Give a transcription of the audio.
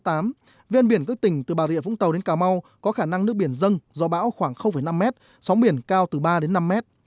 trên đất liền các tỉnh từ bà rịa vũng tàu đến cà mau có khả năng nước biển dâng do bão khoảng năm m sóng biển cao từ ba năm m